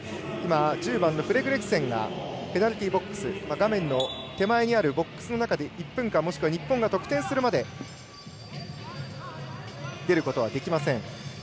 １０番のフレズレクセンがペナルティーボックスボックスの中で１分間もしくは日本が得点するまで出ることはできません。